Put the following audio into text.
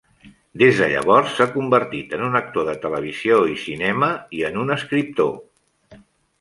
Des de llavors s'ha convertit en un actor de televisió i cinema i en un escriptor.